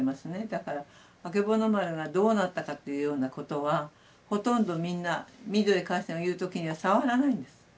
だからあけぼの丸がどうなったかっていうようなことはほとんどみんなミッドウェー海戦を言う時には触らないんです。